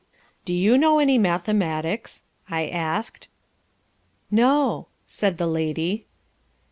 "Do you know any mathematics?" I asked. "No," said the lady.